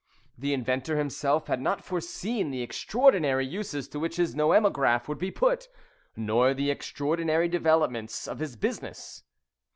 The inventor himself had not foreseen the extraordinary uses to which his noemagraph would be put, nor the extraordinary developments of his business.